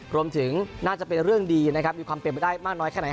รวมถึงน่าจะเป็นเรื่องดีนะครับมีความเป็นไปได้มากน้อยแค่ไหน